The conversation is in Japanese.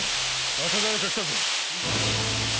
また誰か来たぞ。